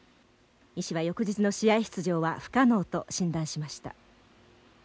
医師は翌日の試合出場は不可能と診断しました。